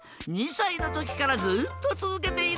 ２さいのときからずっとつづけているんだ。